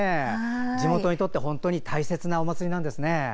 地元にとって本当に大切なお祭りなんですね。